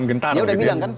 dia sudah bilang kan